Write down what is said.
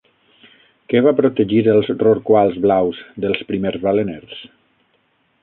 Què va protegir els rorquals blaus dels primers baleners?